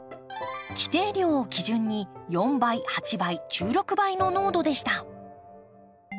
規定量を基準に４倍８倍１６倍の濃度でした。